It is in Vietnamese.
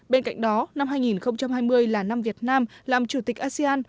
bên cạnh đó năm hai nghìn hai mươi là năm việt nam làm chủ tịch asean